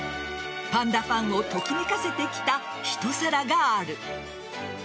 パンダファンをときめかせてきたひと皿がある。